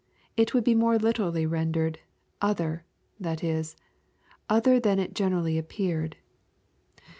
It would be more literally rendered, "other," that is, "other than it generally ap peared."